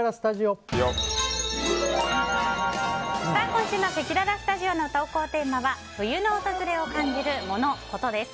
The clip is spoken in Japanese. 今週のせきららスタジオの投稿テーマは冬の訪れを感じるモノ・コトです。